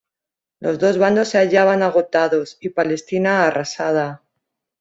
Los dos bandos se hallaban agotados y Palestina, arrasada.